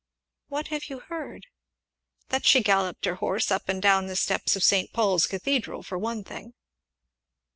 "What have you heard?" "That she galloped her horse up and down the steps of St. Paul's Cathedral, for one thing."